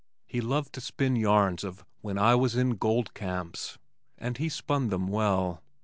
He loved to spin yarns of "When I was in gold camps," and he spun them well.